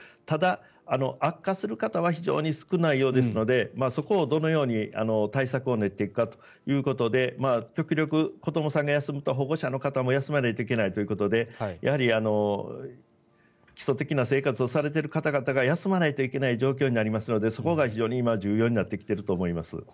ただ、悪化する方は非常に少ないようですのでそこをどのように対策を練っていくかということで極力、子どもさんが休むと保護者の方も休まなきゃいけないということでやはり基礎的な生活をされている方々が休まないといけない状況になりますのでそこが重要になってきていると思います。